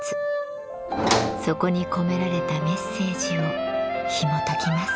そこに込められたメッセージをひもときます。